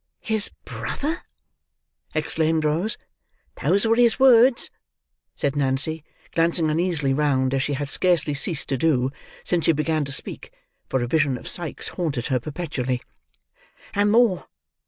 '" "His brother!" exclaimed Rose. "Those were his words," said Nancy, glancing uneasily round, as she had scarcely ceased to do, since she began to speak, for a vision of Sikes haunted her perpetually. "And more.